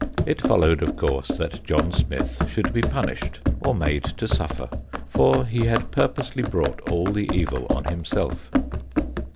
It followed, of course, that John Smith should be punished or made to suffer, for he had purposely brought all the evil on himself.